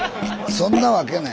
そんなわけない。